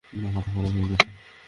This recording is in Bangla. না, মাথা গরম হয়ে গেছে।